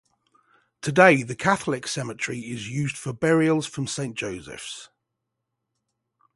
Today the Catholic cemetery is used for burials from Saint Joseph's.